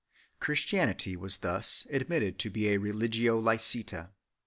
Christianity was thus admitted to be a religio licita.